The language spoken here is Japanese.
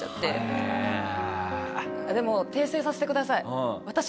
でも訂正させてください。